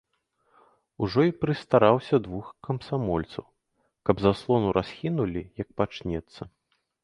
Ужо й прыстараўся двух камсамольцаў, каб заслону расхінулі, як пачнецца.